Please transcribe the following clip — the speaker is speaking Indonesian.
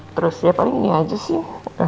terus ya paling ini aja sih